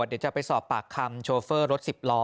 เดี๋ยวจะไปสอบปากคำโชเฟอร์รถ๑๐ล้อ